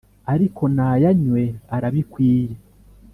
Ariko nayanywe arabikwiye